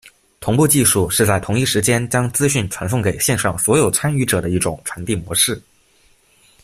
同步技术是在同一时间将资讯传送给线上所有参与者的一种传递模式。